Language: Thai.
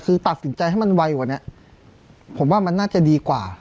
คือตัดสินใจให้มันไวกว่านี้ผมว่ามันน่าจะดีกว่า